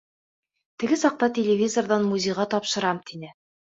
Теге саҡта телевизорҙан музейға тапшырам тине.